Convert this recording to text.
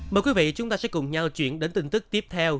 mời quý vị chúng ta sẽ cùng nhau chuyển đến tin tức tiếp theo